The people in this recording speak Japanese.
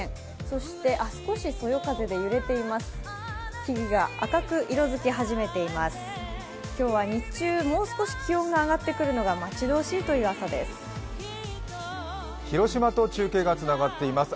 そして少しそよ風で揺れています。